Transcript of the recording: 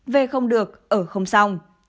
về không được ở không xong